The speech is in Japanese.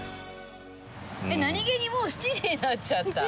何げにもう７時になっちゃった。